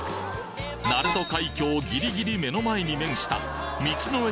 鳴門海峡ギリギリ目の前に面した道の駅